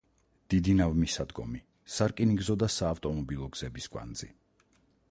დიდი ნავმისადგომი, სარკინიგზო და საავტომობილო გზების კვანძი.